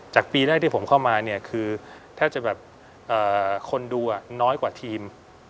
ปีแรกที่ผมเข้ามาเนี่ยคือแทบจะแบบคนดูน้อยกว่าทีม